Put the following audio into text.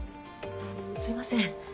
すいません